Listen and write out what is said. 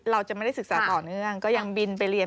เราจะไม่ได้ศึกษาต่อเนื่องก็ยังบินไปเรียน